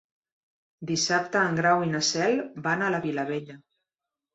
Dissabte en Grau i na Cel van a la Vilavella.